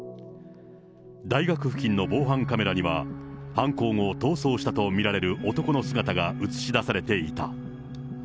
大学付近の防犯カメラには、犯行後、逃走したと見られる男の姿が写し出されていた。